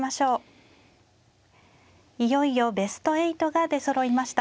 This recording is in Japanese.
いよいよベスト８が出そろいました。